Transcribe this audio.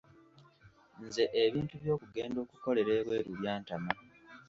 Nze ebintu by'okugenda okukolera ebweru byantama.